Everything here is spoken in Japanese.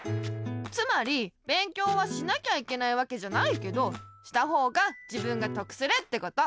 つまり勉強はしなきゃいけないわけじゃないけどしたほうが自分がとくするってこと。